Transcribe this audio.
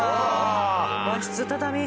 和室畳。